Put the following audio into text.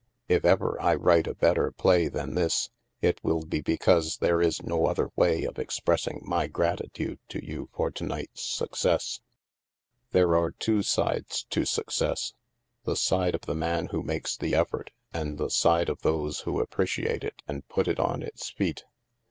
If ever I write a better play than this, it will be because there is no other way of ex pressing my gratitude to you for to night's success. " There are two sides to success — the side of the man who makes the effort and the side of those who appreciate it and put it on its feet.